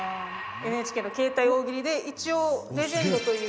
ＮＨＫの「ケータイ大喜利」で一応、レジェンドという。